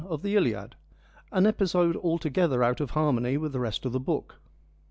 of the Iliad, an episode altogether out of harmony with the rest of the book.